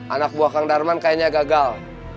anak buah kang darman kayaknya gagal